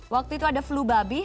waktu itu ada flu babi h satu n dua